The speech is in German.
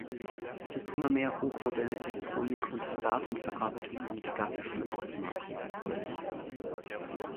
Es ist immer mehr hochmoderne Elektronik und Datenverarbeitung von gigantischen Ausmaßen erforderlich.